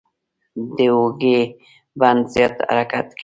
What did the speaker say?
د اوږې بند زیات حرکت لري.